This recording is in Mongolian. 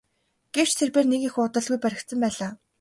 Гэвч тэрбээр нэг их удалгүй баригдсан байлаа.